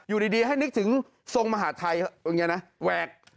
อยู่ดีให้นึกถึงทรงมหาทัยตรงนี้นะแหวก